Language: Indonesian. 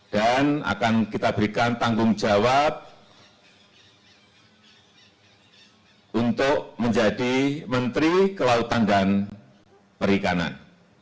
dan akan kita berikan tanggung jawab untuk menjadi menteri kelautan dan perikanan